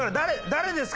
「誰ですか？」